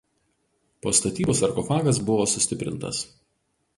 Po statybų sarkofagas buvo sustiprintas.